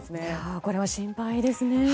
これは心配ですね。